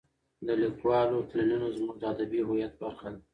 د لیکوالو تلینونه زموږ د ادبي هویت برخه ده.